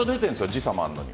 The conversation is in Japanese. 時差もあるのに。